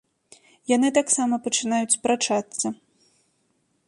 Яны таксама пачынаюць спрачацца.